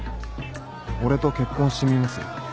俺と結婚してみます？